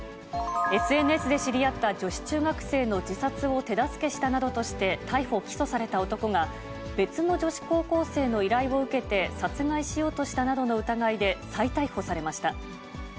ＳＮＳで知り合った女子中学生の自殺を手助けしたなどとして逮捕・起訴された男が、別の女子高校生の依頼を受けて殺害しようとしたなどの疑いで再逮捕されました。